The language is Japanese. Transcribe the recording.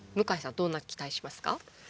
どんな期待しますか？